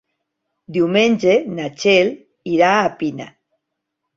Diumenge na Txell irà a Pina.